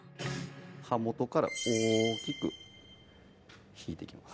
刃元から大きく引いていきます